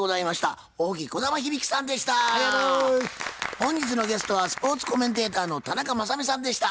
本日のゲストはスポーツコメンテーターの田中雅美さんでした。